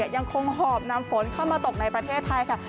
ยังคงหอบนำฝนเข้ามาตกในประเทศไทยค่ะ